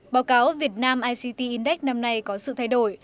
báo cáo việt nam ict index năm nay có sự thay đổi